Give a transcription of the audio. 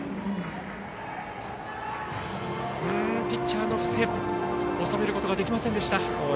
ピッチャーの布施収めることができませんでした。